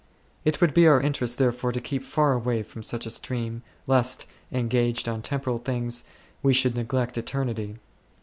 It would be our interest therefore to keep far away from such a stream,, lest, engaged on temporal things, we should neglect eternity.